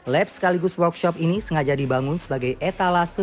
lab sekaligus workshop ini sengaja dibangun sebagai etalase